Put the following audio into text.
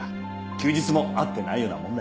休日もあってないようなものだよ。